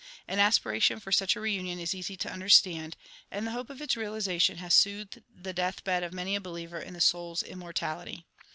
An aspiration for such a reunion is easy to understand, and the hope of its realization has soothed the death bed of many a believer in the soul s immortality.